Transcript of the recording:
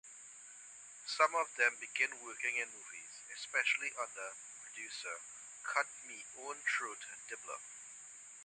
Some of them begin working in movies, specially under producer Cut-Me-Own-Throat Dibbler.